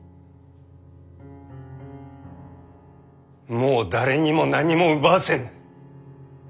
もう誰にも何も奪わせぬ！